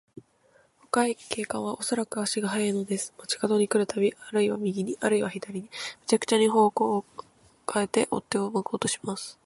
若い警官は、おそろしく足が早いのです。町かどに来るたび、あるいは右に、あるいは左に、めちゃくちゃに方角をかえて、追っ手をまこうとします。